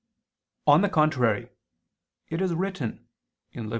On the contrary, It is written (Lev.